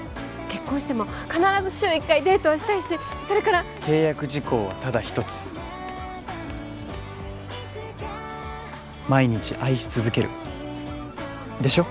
結婚しても必ず週一回デートはしたいしそれから契約事項はただ一つ毎日愛し続けるでしょ？